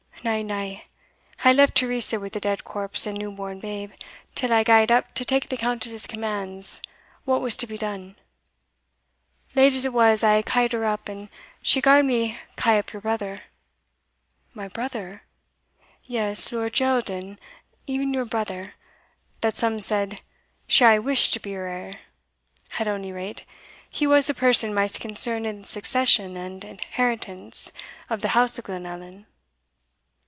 Na, na, I left Teresa wi' the dead corpse and new born babe, till I gaed up to take the Countess's commands what was to be done. Late as it was, I ca'd her up, and she gar'd me ca' up your brother" "My brother?" "Yes, Lord Geraldin, e'en your brother, that some said she aye wished to be her heir. At ony rate, he was the person maist concerned in the succession and heritance of the house of Glenallan."